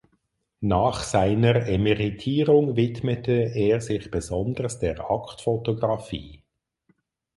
Nach seiner Emeritierung widmete er sich besonders der Aktfotografie.